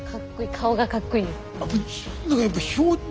顔がかっこいいです。